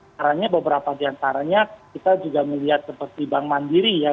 karena beberapa diantaranya kita juga melihat seperti bank mandiri ya